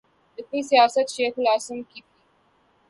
جتنی سیاست شیخ الاسلام کی تھی۔